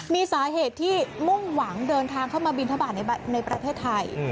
มีสาเหตุที่มุ่งหวังเดินทางเข้ามาบินทบาทในประเทศไทย